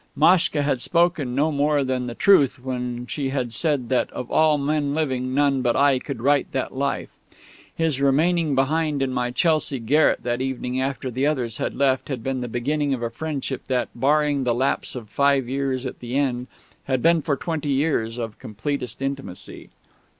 Maschka had spoken no more than the truth when she had said that of all men living none but I could write that "Life." His remaining behind in my Chelsea garret that evening after the others had left had been the beginning of a friendship that, barring that lapse of five years at the end, had been for twenty years one of completest intimacy.